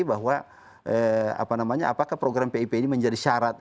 bahwa apakah program pip ini menjadi syarat